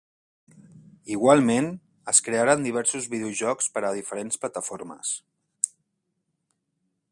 Igualment, es crearen diversos videojocs per a diferents plataformes.